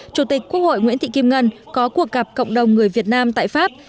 chủ tịch quốc hội nguyễn thị kim ngân có cuộc gặp cộng đồng người việt nam tại pháp